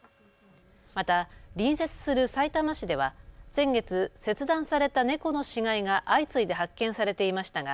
また隣接するさいたま市では先月、切断された猫の死骸が相次いで発見されていましたが